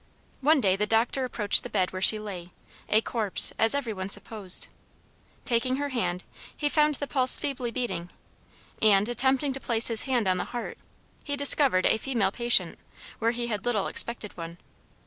One day the doctor approached the bed where she lay, a corpse, as every one supposed. Taking her hand, he found the pulse feebly beating, and, attempting to place his hand on the heart, he discovered a female patient, where he had little expected one.